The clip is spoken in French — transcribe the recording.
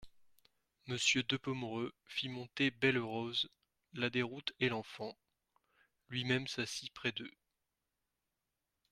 Monsieur de Pomereux fit monter Belle-Rose, la Déroute et l'enfant ; lui-même s'assit près d'eux.